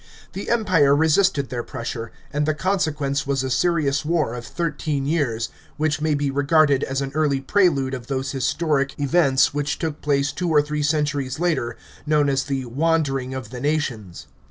The Empire resisted tlieir pressure, and the consequence was a serious war of thirteen years, which may be regarded as an early prelude of those historic I events which took place two or three centuries later, known as the " Wandering of the Nations."